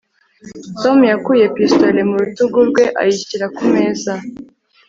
tom yakuye pistolet mu rutugu rwe ayishyira ku meza